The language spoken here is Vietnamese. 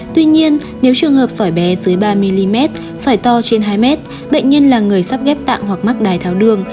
tuy nhiên nếu trường hợp sỏi bé dưới ba mm phải to trên hai mét bệnh nhân là người sắp ghép tạng hoặc mắc đài tháo đường